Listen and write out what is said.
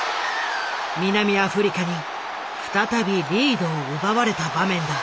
南アフリカに再びリードを奪われた場面だ。